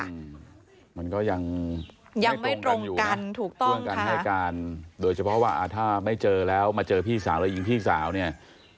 มันก็ยังไม่ตรงกันให้กันโดยเฉพาะว่าถ้าไม่เจอแล้วมาเจอพี่สาวแล้วยิงพี่สาวเนี่ย